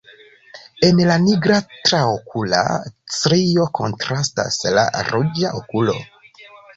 En la nigra traokula strio kontrastas la ruĝa okulo.